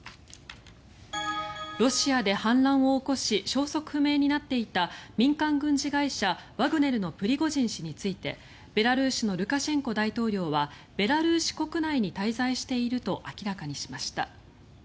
ロシアで反乱を起こし消息不明になっていた民間軍事会社ワグネルのプリゴジン氏についてベラルーシのルカシェンコ大統領はベラルーシ国内に滞在していると明らかにしました。